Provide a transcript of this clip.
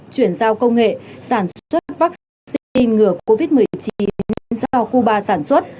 chuyển giao công nghệ sản xuất vaccine ngừa covid một mươi chín do cuba sản xuất